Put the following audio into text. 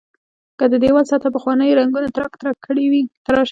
که د دېوال سطحه پخوانیو رنګونو ترک ترک کړې وي تراش کړئ.